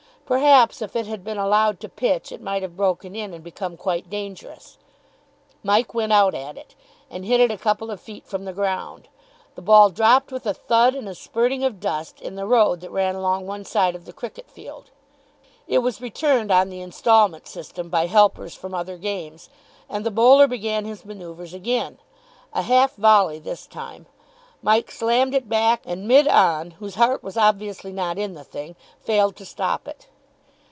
Perhaps if it had been allowed to pitch, it might have broken in and become quite dangerous. Mike went out at it, and hit it a couple of feet from the ground. The ball dropped with a thud and a spurting of dust in the road that ran along one side of the cricket field. It was returned on the instalment system by helpers from other games, and the bowler began his manoeuvres again. A half volley this time. Mike slammed it back, and mid on, whose heart was obviously not in the thing, failed to stop it.